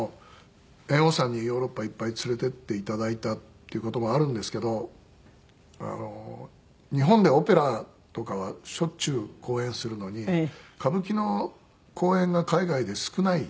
猿翁さんにヨーロッパいっぱい連れて行って頂いたっていう事もあるんですけど日本ではオペラとかはしょっちゅう公演するのに歌舞伎の公演が海外で少ない。